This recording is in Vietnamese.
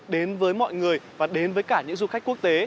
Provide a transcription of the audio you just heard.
đến với mọi người và đến với cả những du khách quốc tế